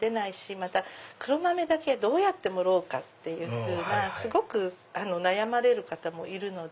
また黒豆だけどうやって盛ろうかってすごく悩まれる方もいるので。